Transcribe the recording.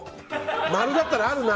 丸だったらあるな。